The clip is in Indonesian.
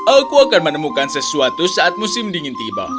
aku akan menemukan sesuatu saat musim dingin tiba